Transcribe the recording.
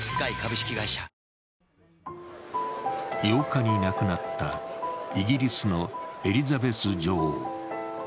８日に亡くなったイギリスのエリザベス女王。